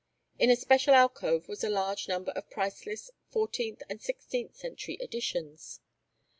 In a special alcove was a large number of priceless Fourteenth and Sixteenth Century editions.